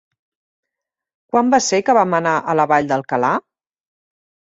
Quan va ser que vam anar a la Vall d'Alcalà?